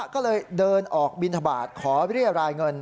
ก็เลยเดินออกบินทบาทขอเรียรายเงิน